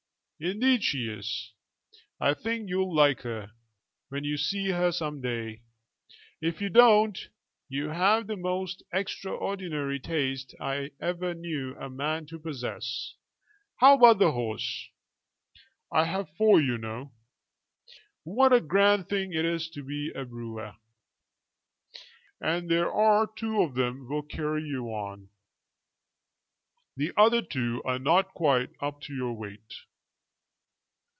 "Indeed she is. I think you'll like her when you see her some day. If you don't, you have the most extraordinary taste I ever knew a man to possess. How about the horse?" "I have four, you know." "What a grand thing it is to be a brewer!" "And there are two of them will carry you. The other two are not quite up to your weight."